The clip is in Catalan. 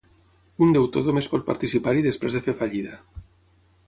Un deutor només pot participar-hi després de fer fallida.